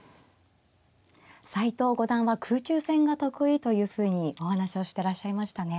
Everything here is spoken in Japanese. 斎藤五段は空中戦が得意というふうにお話をしてらっしゃいましたね。